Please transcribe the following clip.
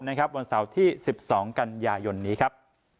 วันเสาร์ที่๑๒กันยายนนี้ครับ